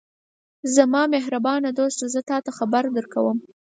زما مهربانه دوسته! زه تاته خبر درکوم.